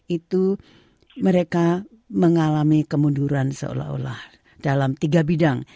itu mereka mengalami kemunduran seolah olah dalam tiga bidang